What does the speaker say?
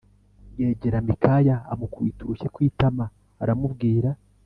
Yegera mikaya amukubita urushyi ku itama aramubwira